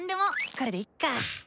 これでいっか！